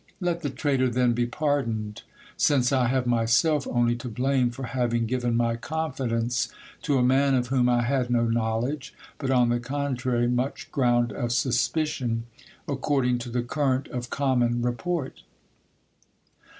Let the traitor then be pardoned ; since I have myself only to blame for having given my confidence to a man of whom I had no knowledge, but, on the contrary, much ground of suspicion, according to the current 'of common re port.